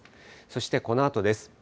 そして、このあとです。